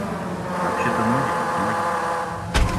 Вообще-то ноги, как ноги.